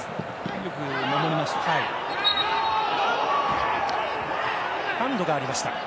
よく守りましたよね。